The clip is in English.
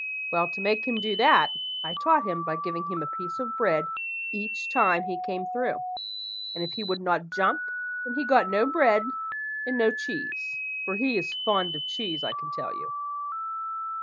Well, to make him do that, I taught him by giving him a piece of bread each time he came through; and if he would not jump, then he got no bread and no cheese, for he is fond of cheese, I can tell you.